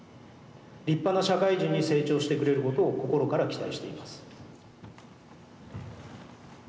立派な社会人に成長してくれることを心から期待しています。